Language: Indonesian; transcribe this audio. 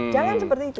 jangan seperti itu